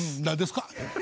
何ですか？